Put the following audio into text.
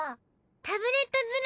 タブレットズラ。